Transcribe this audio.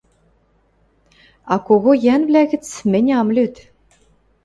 А кого йӓнвлӓ гӹц мӹнь ам лӱд.